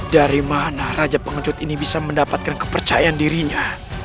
dari mana raja pengecut ini bisa mendapatkan kepercayaan dirinya